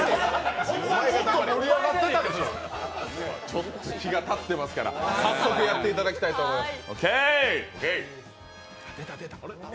ちょっと気が立ってますから早速やっていただきたいと思います。